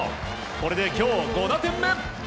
これで今日５打点目。